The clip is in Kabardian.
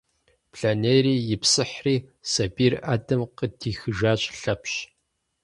Блэнейрэ ипсыхьри, сабийр ӏэдэм къыдихыжащ Лъэпщ.